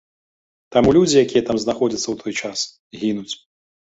Таму людзі, якія там знаходзяцца ў той час, гінуць.